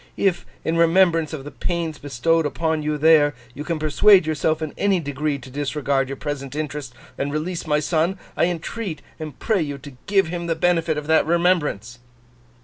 If, in remembrance of the pains bestowed upon you there, you can persuade yourself in any degree to disregard your present interest and release my son, I entreat and pray you to give him the benefit of that remembrance.